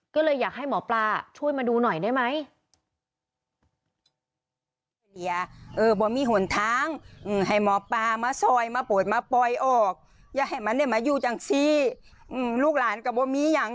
ก็เลยอยากให้หมอปลาช่วยมาดูหน่อยได้ไหม